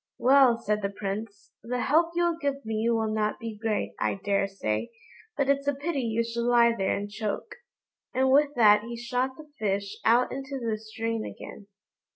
"Well!" said the Prince, "the help you'll give me will not be great, I daresay, but it's a pity you should lie there and choke;" and with that he shot the fish out into the stream again.